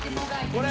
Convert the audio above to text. これ！」